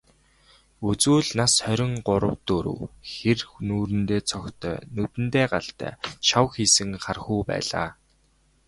Үзвэл, нас хорин гурав дөрөв хэр, нүүрэндээ цогтой, нүдэндээ галтай, шавхийсэн хархүү байлаа.